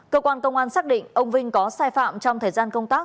cơ quan công an xác định ông vinh có sai phạm trong thời gian công tác